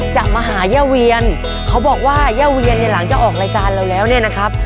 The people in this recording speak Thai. จะมาหาเย้าเวียนเขาบอกว่าเย้าเวียนตัวหลังออกรายการเราแล้วได้นะครับ